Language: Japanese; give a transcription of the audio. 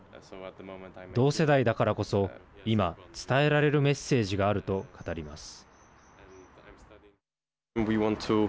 同世代だからこそ今、伝えられるメッセージがあると語ります。